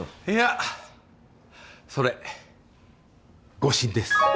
いやそれ誤診です。